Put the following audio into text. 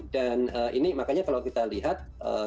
dan ini makanya kalau kita lihat